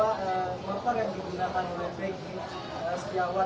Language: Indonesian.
itu misalnya ada ber pelan pelan yang yang rusak